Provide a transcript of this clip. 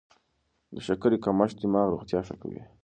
د شکرې کمښت د دماغ روغتیا ښه کوي.